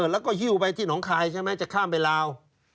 แล้วก็ฮิ้วไปที่หนองคายใช่ไหมจะข้ามไปลาว